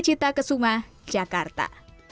kecita kesumah jakarta